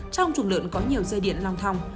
trong chuồng lợn có nhiều dây điện long thòng